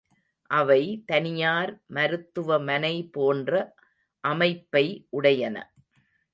அவை தனியார் மருத்துவமனை போன்ற அமைப்பை உடையன.